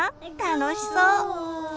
楽しそう。